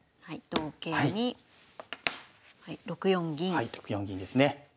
はい６四銀ですね。